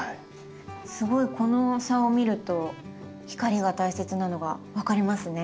すごいこの差を見ると光が大切なのが分かりますね。